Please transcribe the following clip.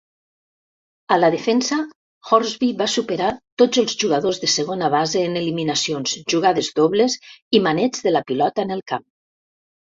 A la defensa, Hornsby va superar tots els jugadors de segona base en eliminacions, jugades dobles i maneig de la pilota en el camp.